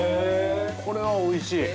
これは、おいしい。